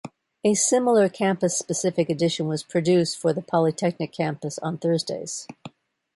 A similar campus-specific edition was produced for the Polytechnic campus on Thursdays.